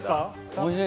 おいしい。